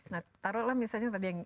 nah taruhlah misalnya tadi yang